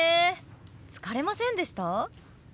疲れませんでした？